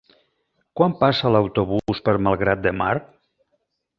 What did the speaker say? Quan passa l'autobús per Malgrat de Mar?